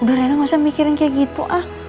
udah riana ga usah mikirin kayak gitu ah